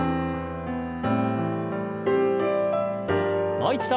もう一度。